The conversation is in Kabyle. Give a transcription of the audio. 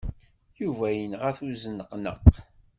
Yuba yenɣa-t uzenneqnaq.